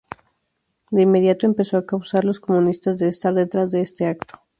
De inmediato, empezó a acusar a los comunistas de estar detrás de este acto.